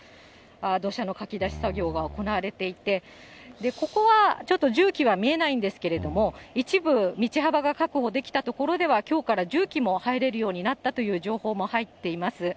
土砂のかき出し作業が行われていて、ここはちょっと重機は見えないんですけれども、一部、道幅が確保できた所では、きょうから重機も入れるようになったという情報も入っています。